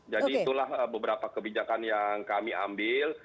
jadi itulah beberapa kebijakan yang kami ambil